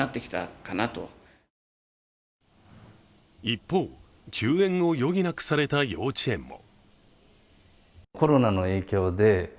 一方、休園を余儀なくされた幼稚園も。